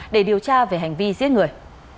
để điều tra về hành vi giết người